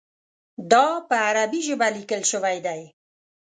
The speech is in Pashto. دا په عربي ژبه لیکل شوی دی.